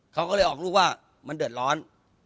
เขาก็เลยออกลูกว่ามันเดือดร้อน